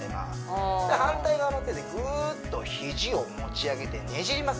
パンチ反対側の手でぐーっと肘を持ち上げてねじります